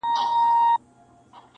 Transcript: o سر دي و خورم که له درده بېګانه سوم,